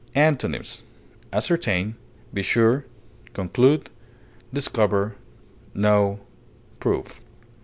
Antonyms: ascertain, be sure, conclude, discover, know, prove.